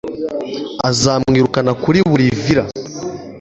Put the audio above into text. Azamwirukana kuri buri villa